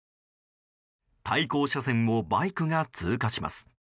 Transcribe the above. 対向車線をバイクが通過します。